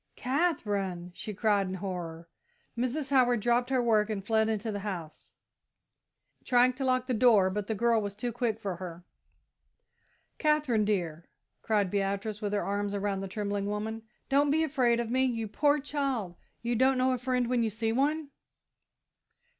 "Katherine!" she cried, in horror. Mrs. Howard dropped her work and fled into the house, trying to lock the door, but the girl was too quick for her. "Katherine, dear!" cried Beatrice, with her arms around the trembling woman, "don't be afraid of me! You poor child, don't you know a friend when you see one?"